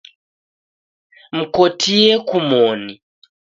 Mkotie kumoni.